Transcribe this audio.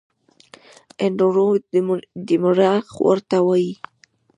اندرور دمېړه خور ته وايي